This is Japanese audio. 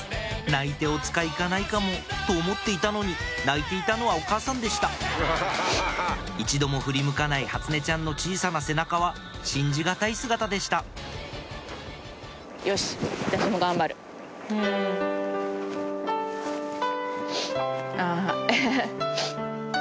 「泣いておつかい行かないかも」と思っていたのに泣いていたのはお母さんでした一度も振り向かない初音ちゃんの小さな背中は信じ難い姿でしたあぁエヘヘ。